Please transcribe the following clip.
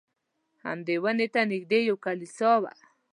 همدې ونې ته نږدې یوه کلیسا وه.